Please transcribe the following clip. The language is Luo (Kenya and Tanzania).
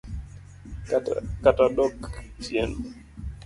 Kata dok chien.